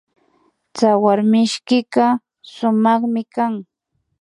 Tsawarmishkika sumakmi kan